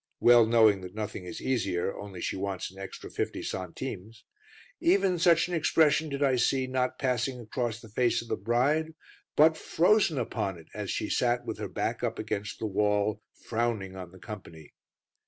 well knowing that nothing is easier, only she wants an extra fifty centimes even such an expression did I see not passing across the face of the bride, but frozen upon it as she sat with her back up against the wall frowning on the company.